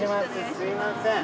すみません。